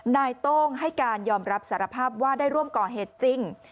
นายโต้งให้การยอมรับสารภาพว่าได้ร่วมก่อเหตุจริง